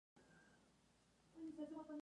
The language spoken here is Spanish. Muawiya conservó su cargo de gobernador de Siria.